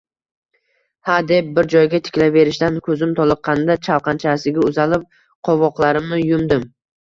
Hadeb bir joyga tikilaverishdan ko‘zim toliqqanida, chalqanchasiga uzalib, qovoqlarimni yumdim